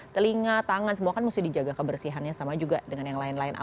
telinga tangan semua kan mesti dijaga kebersihannya sama juga dengan yang lain lain